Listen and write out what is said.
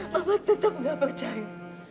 mama tetap gak percaya